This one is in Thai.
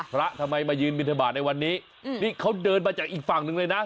ทำไมมายืนบินทบาทในวันนี้นี่เขาเดินมาจากอีกฝั่งหนึ่งเลยนะ